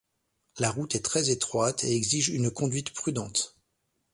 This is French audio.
La route est très étroite et exige une conduite prudente.